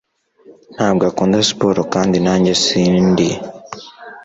Ntabwo akunda siporo, kandi nanjye sindi.